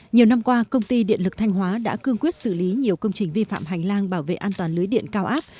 nhiều năm qua công ty điện lực thanh hóa đã cương quyết xử lý nhiều công trình vi phạm hành lang bảo vệ an toàn lưới điện cao áp